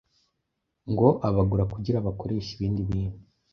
ngo abagura kugira abakoreshe ibindi bintu